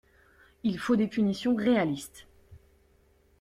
Il faut des punitions réalistes.